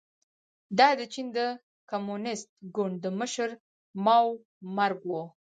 دا د چین د کمونېست ګوند د مشر ماوو مرګ و.